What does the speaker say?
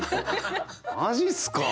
マジすか？